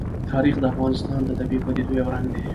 تاریخ د افغانستان د طبیعي پدیدو یو رنګ دی.